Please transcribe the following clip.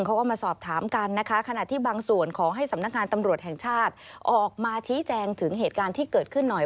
เขาก็มาสอบถามกันนะคะขณะที่บางส่วนขอให้สำนักงานตำรวจแห่งชาติออกมาชี้แจงถึงเหตุการณ์ที่เกิดขึ้นหน่อย